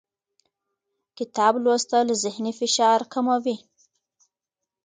کتاب لوستل ذهني فشار کموي